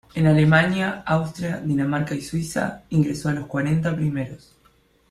En Alemania, Australia, Austria, Dinamarca y Suiza ingresó a los cuarenta primeros.